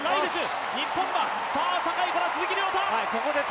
日本はさぁ坂井から鈴木涼太！